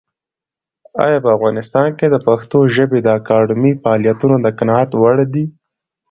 ایا په افغانستان کې د پښتو ژبې د اکاډمۍ فعالیتونه د قناعت وړ دي؟